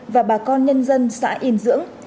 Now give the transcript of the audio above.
và bà con nhân dân xã yên dưỡng